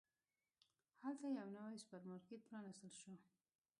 هلته یو نوی سوپرمارکېټ پرانستل شو.